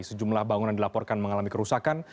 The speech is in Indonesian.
sejumlah bangunan dilaporkan mengalami kerusakan